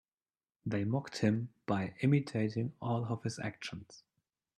They mocked him by imitating all of his actions.